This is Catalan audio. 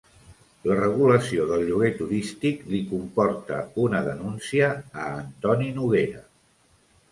La regulació del lloguer turístic li comporta una denúncia a Antoni Noguera